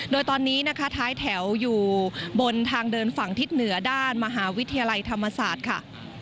โดยตอนนี้นะคะท้ายแถวอยู่บนทางเดินฝั่งทิศเหนือด้านมหาวิทยาลัยธรรมศาสตร์ค่ะ